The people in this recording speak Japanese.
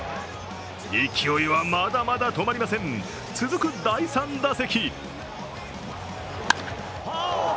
勢いはまだまだ止まりません続く第３打席。